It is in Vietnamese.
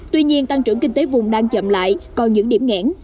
tuy nhiên tăng trưởng kinh tế vùng đang chậm lại còn những điểm nghẽn